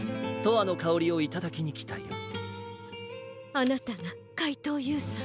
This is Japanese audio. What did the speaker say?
あなたがかいとうＵさん？